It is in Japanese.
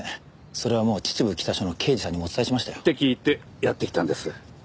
それはもう秩父北署の刑事さんにもお伝えしましたよ。って聞いてやって来たんです。